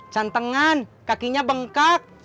cantengan kakinya bengkak